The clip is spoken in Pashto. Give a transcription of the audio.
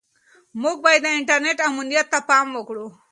موږ باید د انټرنیټ امنیت ته پام وکړو.